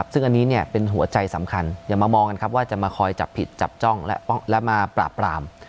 ซึ่งอันนี้เป็นหัวใจสำคัญอย่ามามองกันครับว่าจะมาคอยจับผิดจับจ้องและมาปราบปราม